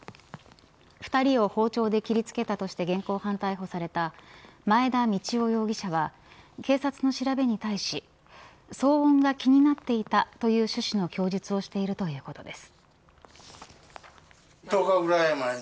２人を包丁で切り付けたとして現行犯逮捕された前田道夫容疑者は警察の調べに対し騒音が気になっていたという趣旨の供述をしているということです。